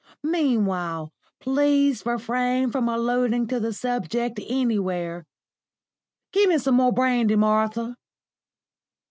Meanwhile, please refrain from alluding to the subject anywhere. Give me some more brandy, Martha."